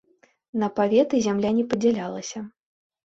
На паветы зямля не падзялялася.